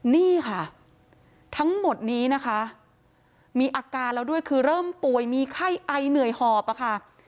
นี่ค่ะทั้งหมดนี้นะคะมีอาการแล้วด้วยคือเริ่มป่วยมีไข้ไอเหนื่อยหอบอะค่ะ